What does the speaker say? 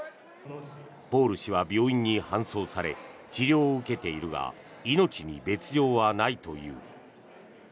ポール氏は病院に搬送され治療を受けているが命に別条はないという。